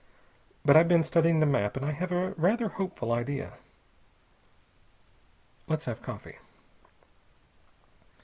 But I've been studying the map, and I have a rather hopeful idea. Let's have coffee."